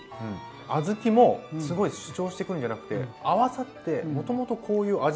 小豆もすごい主張してくるんじゃなくて合わさってもともとこういう味だったのかなっていう。